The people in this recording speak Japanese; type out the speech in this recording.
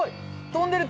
飛んでる！